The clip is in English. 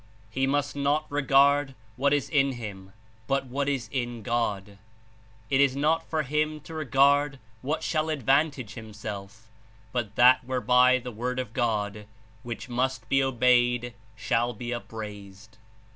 He must not regard what is in him but what is in God. It is not for him to regard what shall advantage himself, but that whereby the Word of God, which must be obeyed, shall be upraised.